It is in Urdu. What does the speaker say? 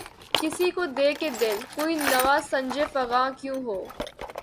کسی کو دے کے دل‘ کوئی نوا سنجِ فغاں کیوں ہو؟